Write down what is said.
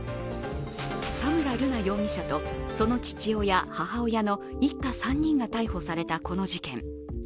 田村瑠奈容疑者とその父親母親の一家３人が逮捕されたこの事件。